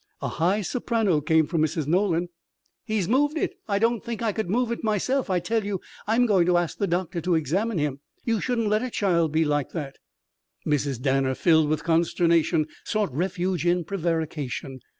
A high soprano came from Mrs. Nolan. "He's moved it! I don't think I could move it myself! I tell you, I'm going to ask the doctor to examine him. You shouldn't let a child be like that." Mrs. Danner, filled with consternation, sought refuge in prevarication.